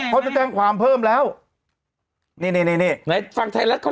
เขาจะแจ้งความเพิ่มแล้วนี่นี่นี่ไหนฟังไทยรัฐเขา